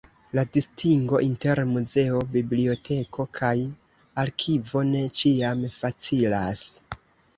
La distingo inter muzeo, biblioteko kaj arkivo ne ĉiam facilas.